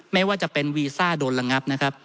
ไม่ว่าจะเป็นวีซ่าโดนระงับนะครับ